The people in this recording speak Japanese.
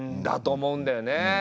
だと思うんだよね。